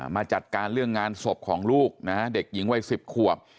มาจัดการเรื่องงานศพของลูกนะฮะเด็กหญิงวัย๑๐ขวบ